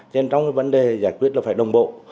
nên trong cái vấn đề giải quyết là phải đồng bộ